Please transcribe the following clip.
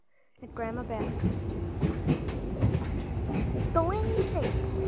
XII AT GRANDMA BASCOM'S "The land sakes!"